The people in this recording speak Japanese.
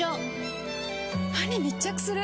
歯に密着する！